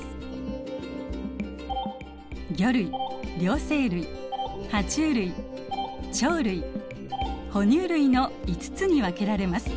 魚類両生類ハチュウ類鳥類哺乳類の５つに分けられます。